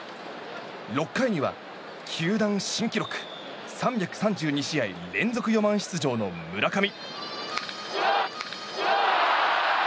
６回には球団新記録３３２試合連続４番出場の村上。